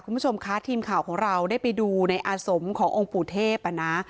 คุณผู้ชมคะทีมข่าวของเราได้ไปดูในอาสมขององค์ปู่เทพอ่ะนะ